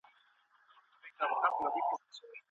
امبولانس سایره ولي لري؟